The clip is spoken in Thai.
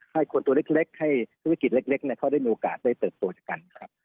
ให้คนตัวเล็กให้ธุรกิจเล็กเขาได้มีโอกาสได้เติบโตจากกันครับ